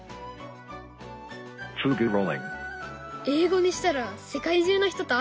英語にしたら世界中の人と遊べるかな？